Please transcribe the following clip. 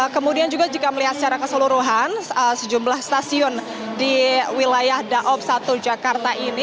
kemudian juga jika melihat secara keseluruhan sejumlah stasiun di wilayah daob satu jakarta ini